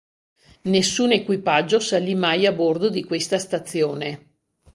Nessun equipaggio salì mai a bordo di questa stazione.